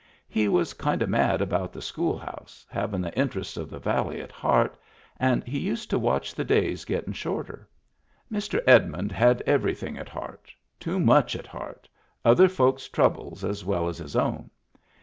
He was kind of mad about the school house, havin' the interests of the valley at heart, and he used to watch the days gettin' shorter. Mr. Edmund had everything at heart — too much at heart — other folks' troubles as well as his own.